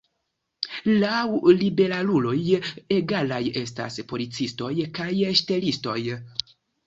Laŭ liberaluloj, egalaj estas policistoj kaj ŝtelistoj.